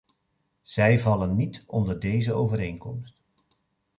Zij vallen niet onder deze overeenkomst.